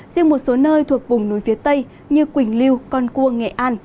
riêng một số nơi thuộc vùng núi phía tây như quỳnh lưu con cuông nghệ an